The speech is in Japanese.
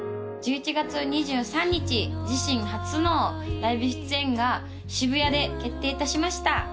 １１月２３日自身初のライブ出演が渋谷で決定いたしました